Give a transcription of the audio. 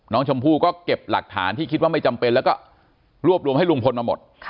น้องชมพู่ก็เก็บหลักฐานที่คิดว่าไม่จำเป็นแล้วก็รวบรวมให้ลุงพลมาหมด